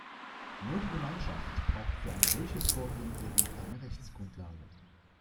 Nur, die Gemeinschaft braucht für ein solches Vorgehen eben eine Rechtsgrundlage.